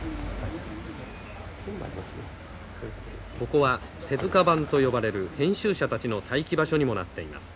ここは手塚番と呼ばれる編集者たちの待機場所にもなっています。